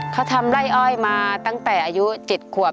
เขาทำไร้จอลมาตั้งแต่อายุ๗ควบ